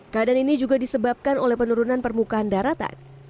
keadaan ini juga disebabkan oleh penurunan permukaan daratan